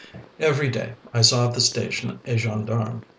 Every day I saw at the station a gendarme.